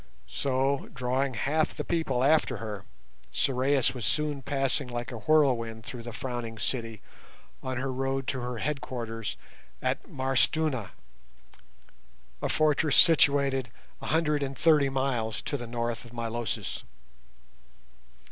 So, drawing half the people after her, Sorais was soon passing like a whirlwind through the Frowning City on her road to her headquarters at M'Arstuna, a fortress situated a hundred and thirty miles to the north of Milosis.